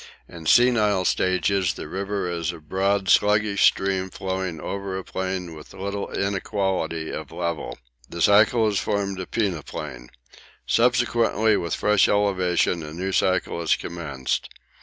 In senile stages the river is a broad sluggish stream flowing over a plain with little inequality of level. The cycle has formed a Peneplain. Subsequently, with fresh elevation, a new cycle is commenced.